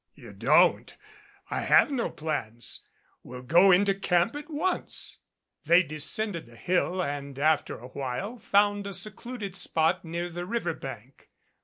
"You don't. I have no plans. We'll go into camp at once." They descended the hill and after a while found a secluded spot near the river bank.